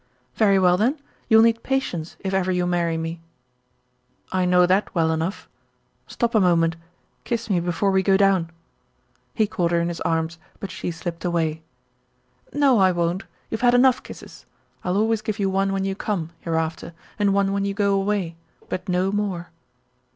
"Very well, then, you'll need patience if ever you marry me." "I know that well enough. Stop a moment. Kiss me before we go down." He caught her in his arms, but she slipped away. "No, I won't. You've had enough kisses. I'll always give you one when you come, hereafter, and one when you go away, but no more."